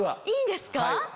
いいんですか？